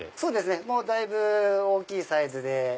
もうだいぶ大きいサイズで。